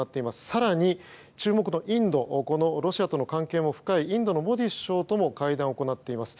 更に、注目のインドロシアとの関係も深いインドのモディ首相とも会談を行っています。